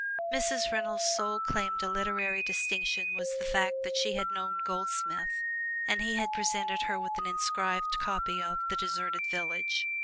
Mrs. Reynolds' sole claim to literary distinction was the fact that she had known Goldsmith and he had presented her with an inscribed copy of "The Deserted Village."